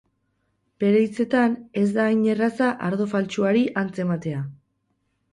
Bere hitzetan, ez da hain erraza ardo faltsuari antz ematea.